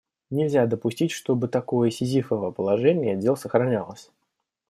Нельзя допустить, чтобы такое «сизифово» положение дел сохранялось.